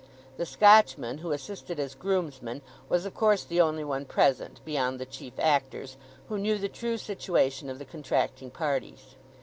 The Scotchman, who assisted as groomsman, was of course the only one present, beyond the chief actors, who knew the true situation of the contracting parties.